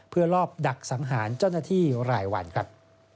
เพื่อรอบดักสังหารเจ้าหน้าที่รายวันครับ